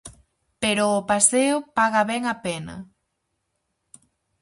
Pero o paseo paga ben a pena.